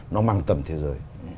nó mang tầm thế giới